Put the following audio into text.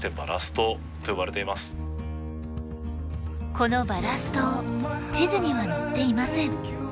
このバラス島地図には載っていません。